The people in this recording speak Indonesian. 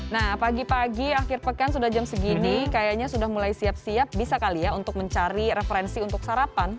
nah pagi pagi akhir pekan sudah jam segini kayaknya sudah mulai siap siap bisa kali ya untuk mencari referensi untuk sarapan